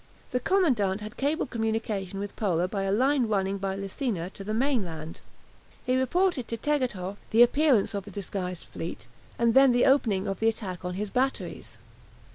The commandant had cable communication with Pola by a line running by Lesina to the mainland. He reported to Tegethoff the appearance of the disguised fleet, and then the opening of the attack on his batteries.